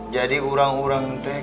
jadi orang orang teh